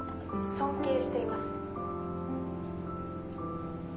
尊敬しています。